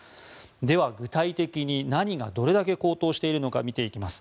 では、具体的に何がどれだけ高騰しているのか見ていきます。